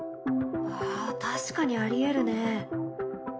あ確かにありえるね。